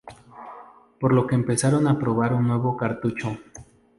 Por lo que empezaron a probar un nuevo cartucho.